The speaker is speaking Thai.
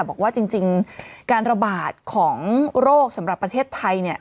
บอกว่าจริงการระบาดของโรคสำหรับประเทศไทย